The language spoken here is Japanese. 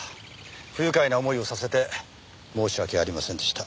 不愉快な思いをさせて申し訳ありませんでした。